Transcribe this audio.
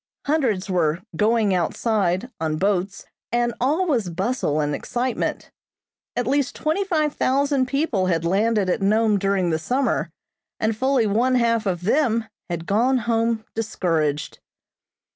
Hundreds were "going outside" on boats, and all was bustle and excitement. At least twenty five thousand people had landed at Nome during the summer, and fully one half of them had gone home discouraged.